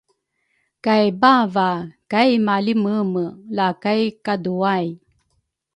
kay bava kai malimeme la kai kaduay.